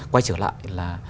quay trở lại là